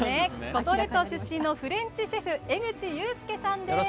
五島列島出身のフレンチシェフ江口雄介さんです。